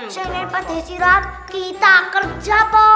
sehingga pas disuruh kita kerja mpo